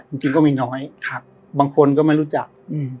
จริงจริงก็มีน้อยครับบางคนก็ไม่รู้จักอืม